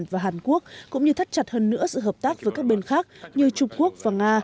và hàn quốc cũng như thắt chặt hơn nữa sự hợp tác với các bên khác như trung quốc và nga